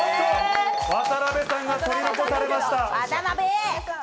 渡邊さんが取り残されました。